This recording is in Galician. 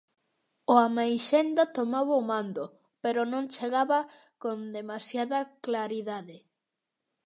O Ameixenda tomaba o mando, pero non chegaba con demasiada claridade.